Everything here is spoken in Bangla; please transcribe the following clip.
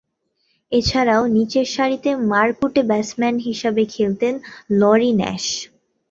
এছাড়াও নিচেরসারিতে মারকুটে ব্যাটসম্যান হিসেবে খেলতেন লরি ন্যাশ।